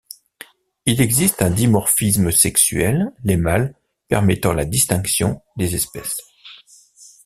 Il existe un dimorphisme sexuel, les mâles permettant la distinction des espèces.